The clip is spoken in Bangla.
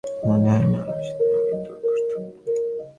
মনে হয় না আর বেশিদিন আমি তোর ঘরে থাকবো।